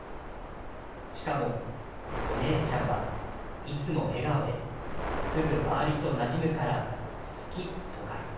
しかもお姉ちゃんは『いつも笑顔ですぐ周りと馴染むから好き』とかいう。